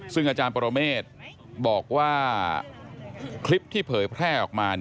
ซึ่งอาจารย์ปรเมฆบอกว่าคลิปที่เผยแพร่ออกมา